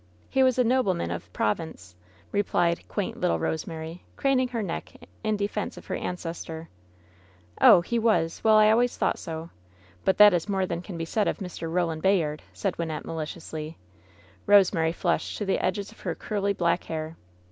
He was a nobleman of Provence,'* replied quaint little Eose mary, craning her neck in defense of her ancestor. "Oh, he was 1 Well, I always thought so 1 But that is more than can be said of Mr. Eoland Bayard 1" said Wynnette, maliciously. Eosemary flushed to the edges of her curly black hair.